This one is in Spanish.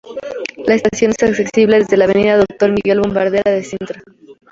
La estación es accesible desde la Avenida Dr. Miguel Bombarda de Sintra.